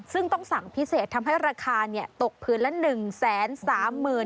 ซึ่งต้องสั่งพิเศษทำให้ราคาเนี่ยตกพื้นละหนึ่งแสนสามหมื่น